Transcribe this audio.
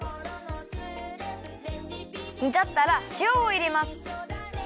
にたったらしおをいれます。